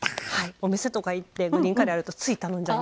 お店とか行ってグリーンカレーあるとつい頼んじゃいます。